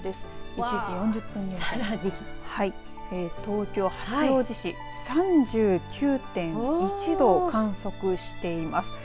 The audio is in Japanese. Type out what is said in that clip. １時４０分現在東京八王子市３９．１度を観測しています。